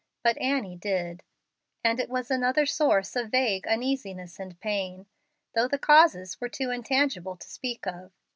But Annie did, and it was another source of vague uneasiness and pain, though the causes were too intangible to speak of.